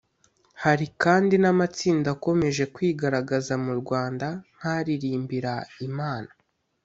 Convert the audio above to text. Hari kandi n'amatsinda akomeje kwigaragaza mu Rwanda nk'aririmbira Imana